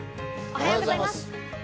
おはようございます。